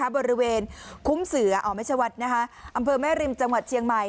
บริเวณคุ้มเสือไม่ใช่วัดอำเภอแม่ริมจังหวัดเชียงใหม่